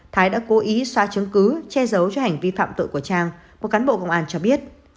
thái đã cố ý xóa chứng cứ che giấu cho hành vi phạm tội của trang một cán bộ công an cho biết